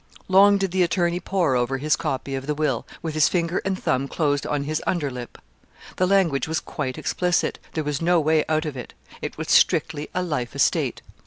Long did the attorney pore over his copy of the will, with his finger and thumb closed on his under lip. The language was quite explicit there was no way out of it. It was strictly a life estate.